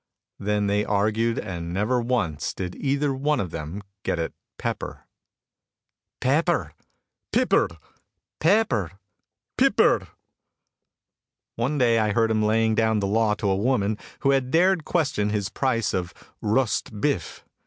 Then they argued and never once did either one of them get it "Pepper." "Paeper." "Pip RR." "Paeper." "Pip RR." One day I heard him laying down the law to a woman who had dared question his price of "Rust Bif."